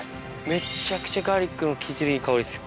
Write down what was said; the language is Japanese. めっちゃくちゃガーリックの効いてるいい香りです